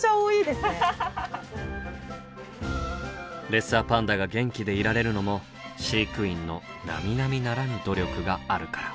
レッサーパンダが元気でいられるのも飼育員のなみなみならぬ努力があるから。